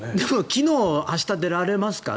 昨日明日出られますか？